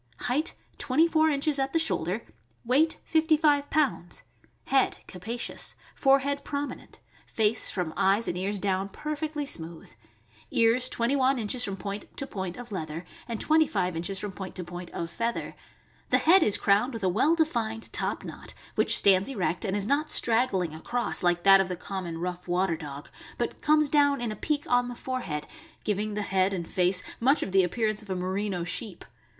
Height, twenty four inches at the shoulder; weight, fif ty five pounds; head capacious, forehead prominent, face (291) 292 THE AMERICAN BOOK OF THE DOG. from eyes and ears down perfectly smooth; ears twenty one inches from point to point of leather, and twenty five inches from point to point of feather. The head is crowned with a well defined top knot, which stands erect, and is not strag gling across, like that of the common rough water dog, but comes down in a peak on the forehead, giving the head and face much of the appearance of a merino sheep.